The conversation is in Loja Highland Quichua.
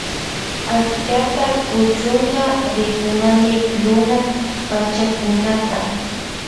Akchata kuchunka rikunami luna pachakunata.